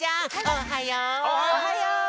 おはよう！